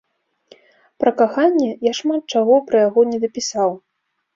Пра каханне, я шмат чаго пра яго не дапісаў.